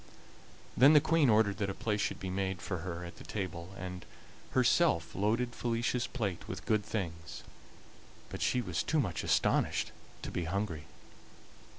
Then the Queen ordered that a place should be made for her at the table, and herself loaded Felicia's plate with good things; but she was too much astonished to be hungry.